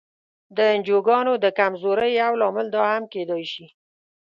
د انجوګانو د کمزورۍ یو لامل دا هم کېدای شي.